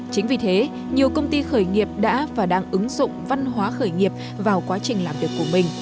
chính vì thế nhiều công ty khởi nghiệp đã và đang ứng dụng văn hóa khởi nghiệp vào quá trình làm việc của mình